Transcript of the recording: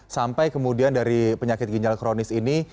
sampai kemudian dari penyakit ginjal kronis ini